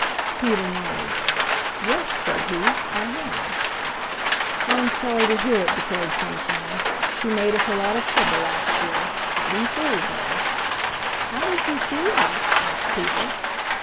Peter nodded. "Yes," said he, "I have." "I'm sorry to hear it," declared Sunshine. "She made us a lot of trouble last year. But we fooled her." "How did you fool her?" asked Peter.